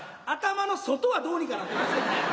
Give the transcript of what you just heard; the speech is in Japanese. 頭の外はどうにかなってますよね。